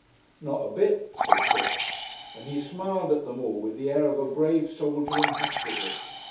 "Not a bit," said Kipps, and he smiled at them all with the air of a brave soldier in hospital.